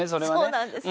そうなんです。